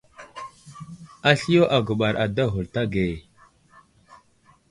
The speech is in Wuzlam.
Asliyo aguɓar ada ghulta age.